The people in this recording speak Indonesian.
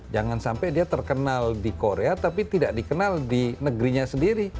jangan sampai dia terkenal di korea tapi tidak dikenal di negerinya sendiri